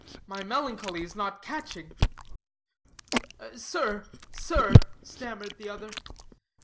My melancholy is not catching!" "Sir, sir," stammered the other.